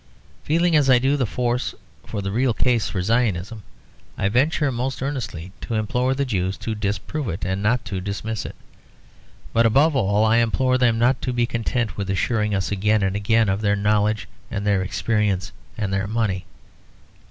Feeling as I do the force of the real case for Zionism, I venture most earnestly to implore the Jews to disprove it, and not to dismiss it. But above all I implore them not to be content with assuring us again and again of their knowledge and their experience and their money.